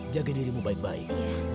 jaga dirimu baik baik